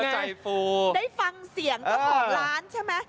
ได้ฟังเสียงจากร้านใช่ไหม